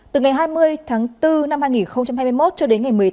từ ngày hai mươi tháng bốn năm hai nghìn hai mươi một cho đến ngày một mươi tám